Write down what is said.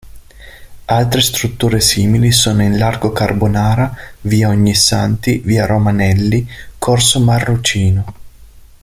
Altre strutture simili sono in Largo Carbonara, via Ognissanti, via Romanelli, corso Marrucino.